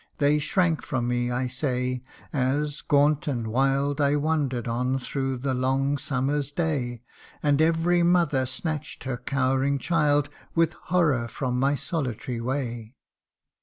They shrank from me, I say, as, gaunt and wild I wander'd on through the long summer's day ; And every mother snatch'd her cowering child With horror from my solitary way